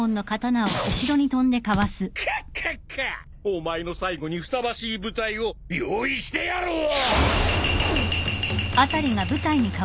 お前の最期にふさわしい舞台を用意してやろう！